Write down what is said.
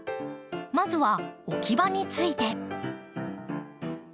まずは置き場について。